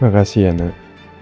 makasih ya nak